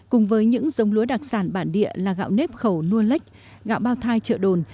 cùng với những giống lúa đặc sản bản địa là gạo nếp khẩu nua lách gạo bao thai trợ đồn